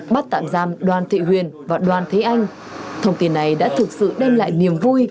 bắt tạm giam đoàn thị huyền và đoàn thế anh thông tin này đã thực sự đem lại niềm vui